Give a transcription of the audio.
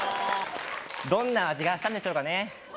どんな味がしたんでしょうかね